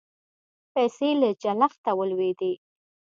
پیسې له چلښته ولوېدې